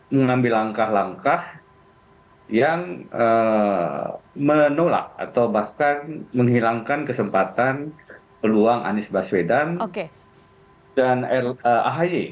mengambil langkah langkah yang menolak atau bahkan menghilangkan kesempatan peluang anies baswedan dan ahy